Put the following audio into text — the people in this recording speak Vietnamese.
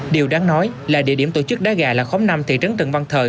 điều đáng nói là địa điểm tổ chức đá gà là khóm năm thị trấn trần văn thời